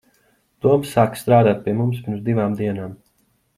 Toms sāka strādāt pie mums pirms divām dienām.